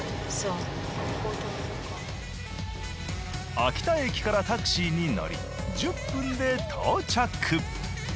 秋田駅からタクシーに乗り１０分で到着。